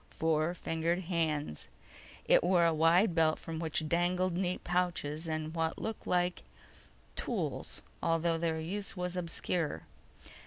Four fingered hands. It wore a wide belt from which dangled neat pouches and what looked like tools, although their use was obscure.